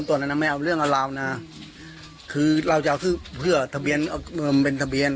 ตอนนั้นผมหยิบปืนผมก็ไม่เห็นเขา